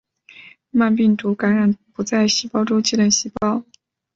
慢病毒感染不在细胞周期的细胞。